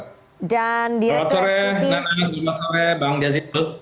selamat sore nana selamat sore bang jazilul